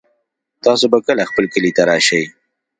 تاسو به کله خپل کلي ته راشئ